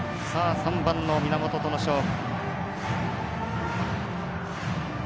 ３番の源との勝負。